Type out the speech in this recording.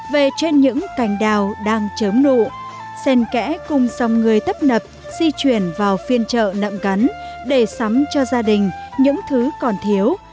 về trên những cành đào đang chớm nụ sen kẽ cùng dòng người tấp nập di chuyển vào phiên chợ nậm cắn để sắm cho gia đình những thứ còn thiếu